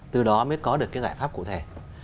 từ đó mới có được cái giải pháp cụ thể